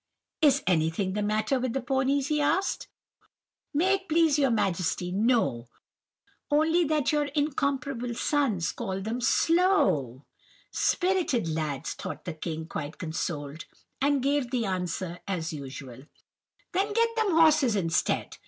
"'Is anything the matter with the ponies?' he asked. "'May it please your Majesty, no; only that your incomparable sons call them slow.' "'Spirited lads!' thought the king, quite consoled, and gave the answer as usual:— "'Then get them horses instead.